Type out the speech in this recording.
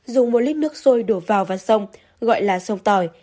dùng một lít nước sôi đổ vào và sông gọi là sông tỏi